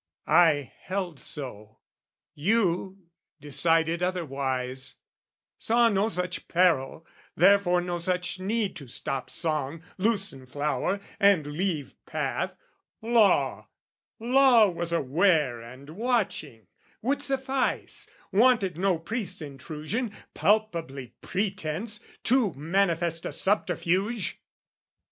I held so; you decided otherwise, Saw no such peril, therefore no such need To stop song, loosen flower, and leave path: Law, Law was aware and watching, would suffice, Wanted no priest's intrusion, palpably Pretence, too manifest a subterfuge!